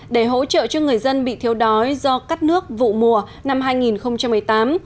để hỗ trợ cho người dân bị thiếu đói do cắt nước vụ mùa năm hai nghìn một mươi tám